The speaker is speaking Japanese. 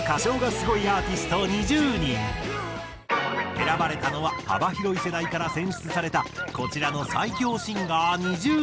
選ばれたのは幅広い世代から選出されたこちらの最強シンガー２０人。